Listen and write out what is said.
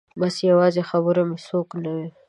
بس یوازې د خبرو مې څوک نه و